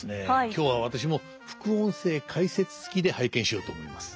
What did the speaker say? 今日は私も副音声解説付きで拝見しようと思います。